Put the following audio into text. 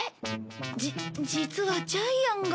じ実はジャイアンが。